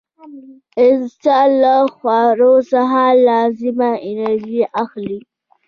انسان له خوړو څخه لازمه انرژي اخلي.